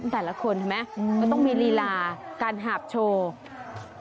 แต่ละคนเห็นไหมก็ต้องมีลีลาการหาบโชว์